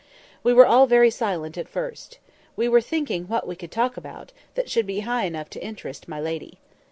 We were all very silent at first. We were thinking what we could talk about, that should be high enough to interest My Lady.